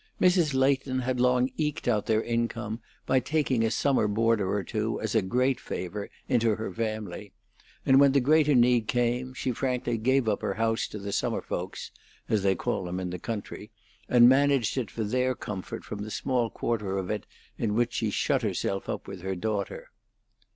Mrs. Leighton had long eked out their income by taking a summer boarder or two, as a great favor, into her family; and when the greater need came, she frankly gave up her house to the summer folks (as they call them in the country), and managed it for their comfort from the small quarter of it in which she shut herself up with her daughter.